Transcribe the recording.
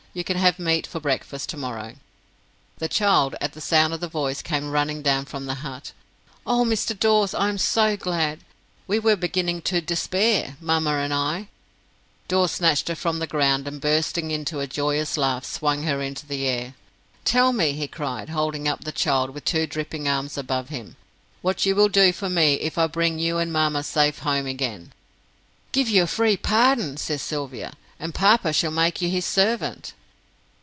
You can have meat for breakfast to morrow!" The child, at the sound of the voice, came running down from the hut. "Oh, Mr. Dawes! I am so glad! We were beginning to despair mamma and I." Dawes snatched her from the ground, and bursting into a joyous laugh, swung her into the air. "Tell me," he cried, holding up the child with two dripping arms above him, "what you will do for me if I bring you and mamma safe home again?" "Give you a free pardon," says Sylvia, "and papa shall make you his servant!"